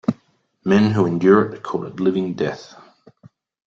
Men who endure it, call it living death.